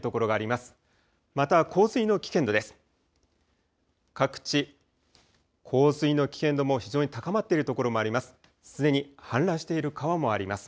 また洪水の危険度です。